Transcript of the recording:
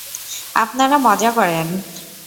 আপনারা মজা করেন।